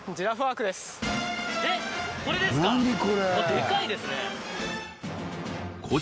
えっこれですか？